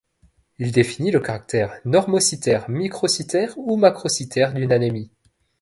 Il définit le caractère normocytaire, microcytaire ou macrocytaire d'une anémie.